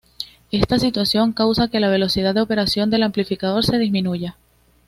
Esta situación causa que la velocidad de operación del amplificador se disminuya.